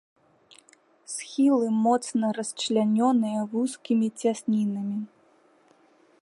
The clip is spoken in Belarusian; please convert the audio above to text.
Схілы моцна расчлянёныя вузкімі цяснінамі.